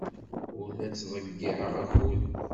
Ur la ttḍeyyiɛeɣ akud.